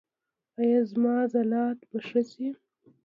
ایا زما عضلات به ښه شي؟